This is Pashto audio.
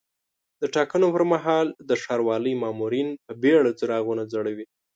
د ټاکنو پر مهال د ښاروالۍ مامورین په بیړه څراغونه ځړوي.